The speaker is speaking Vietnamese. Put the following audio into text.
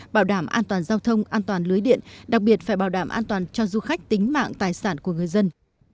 bảo đảm an toàn giao thông an toàn lưới điện đặc biệt phải bảo đảm an toàn cho du khách tính mạng tài sản của người dân